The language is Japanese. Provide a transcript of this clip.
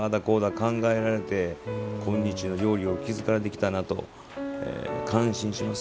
考えられて今日の料理を築かれてきたなと感心します。